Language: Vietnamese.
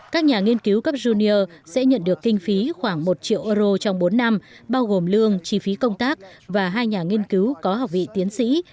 các nhà nghiên cứu carbonio sẽ nhận được kinh phí khoảng một triệu euro trong bốn năm bao gồm lương chi phí công tác và hai nhà nghiên cứu có học vị tiến sĩ